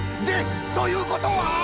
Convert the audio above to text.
でということは！？